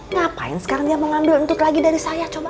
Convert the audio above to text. ngapain sekarang dia mau ngambil entut lagi dari saya coba